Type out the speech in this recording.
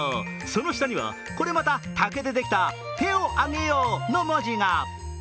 その下にはこれまた竹でできた「手をあげよう」の文字が。